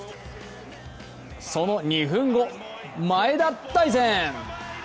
その２分後、前田大然！